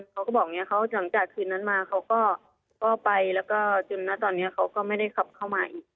เขาก็บอกอย่างนี้เขาหลังจากคืนนั้นมาเขาก็ไปแล้วก็จนนะตอนนี้เขาก็ไม่ได้ขับเข้ามาอีก